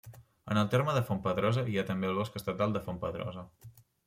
En el terme de Fontpedrosa hi ha també el Bosc Estatal de Fontpedrosa.